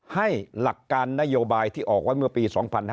ให้หลักการนโยบายที่ออกไว้เมื่อปี๒๕๕๙